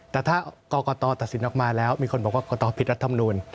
แต่ถ้ากรกตตัดสินออกมาแล้วมีคนบอกว่ากตผิดรัฐมนูล